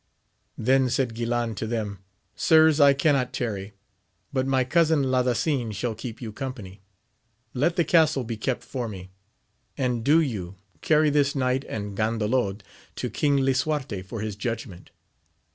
Then said Guilan to them, sirs,! cannot tarry, but my cousin Ladasin shall keep you company ; let the castle be kept for me, and do you carry this knight and Gandalod to King Lisuarte for his judgment.